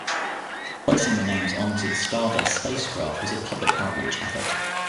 Placing the names onto the Stardust spacecraft was a public outreach effort.